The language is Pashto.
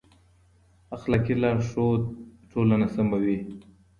اخلاقي لارښود ټولنه سموي.